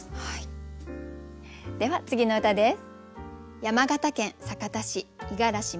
では次の歌です。